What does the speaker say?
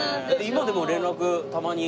今でも連絡たまに。